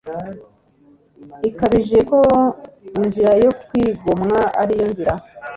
ikabije ko inzira yo kwigomwa ari yo nzira